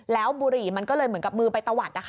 แล้วบุหรี่มันก็เลยเหมือนกับมือไปตะวัดนะคะ